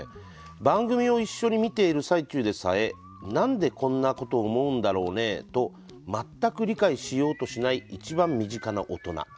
「番組を一緒に見ている最中でさえなんで、こんなことを思うんだろうね？と全く理解しようとしない一番身近な大人。